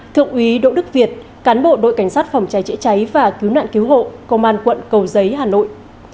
thượng úy đỗ đức việt cán bộ đội cảnh sát phòng cháy chữa cháy và cứu nạn cứu hộ công an quận cầu giấy hà nội